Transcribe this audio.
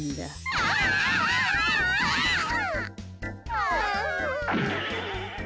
ああ。